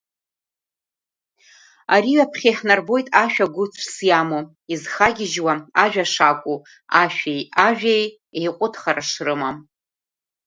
Ари ҩаԥхьа иаҳнарбоит ашәа гәыцәс иамоу, изхагьежьуа ажәа шакәу, ашәеи ажәеи еиҟәыҭхара шрымам.